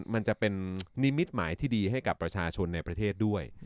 มันจะเป็นนิมิตหมายที่ดีให้กับประชาชนในประเทศด้วย